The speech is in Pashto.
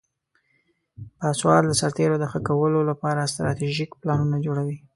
پاسوال د سرتیرو د ښه کولو لپاره استراتیژیک پلانونه جوړوي.